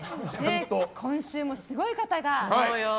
今週もすごい方が。